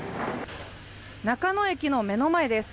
中野駅の目の前です。